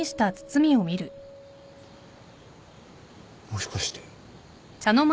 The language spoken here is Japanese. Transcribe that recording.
もしかして。